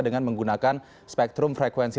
dengan menggunakan spektrum frekuensi